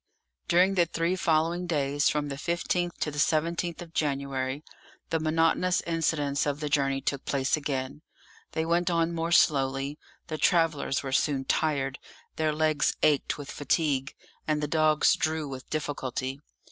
During the three following days, from the 15th to the 17th of January, the monotonous incidents of the journey took place again. They went on more slowly; the travellers were soon tired; their legs ached with fatigue, and the dogs drew with difficulty.